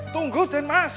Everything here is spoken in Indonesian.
tunggu den mas